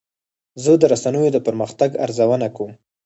زه د رسنیو د پرمختګ ارزونه کوم.